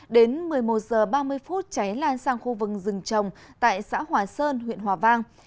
đến một mươi một h ba mươi phút cháy lan sang khu vực rừng trồng tại xã hòa sơn huyện hòa vang